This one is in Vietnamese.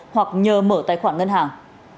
hoặc nhờ mở tài khoản ngân hàng